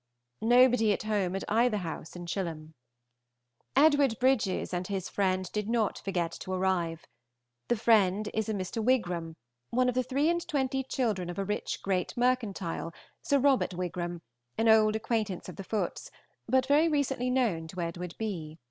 Nobody at home at either house in Chilham. Edward Bridges and his friend did not forget to arrive. The friend is a Mr. Wigram, one of the three and twenty children of a great rich mercantile, Sir Robert Wigram, an old acquaintance of the Footes, but very recently known to Edward B.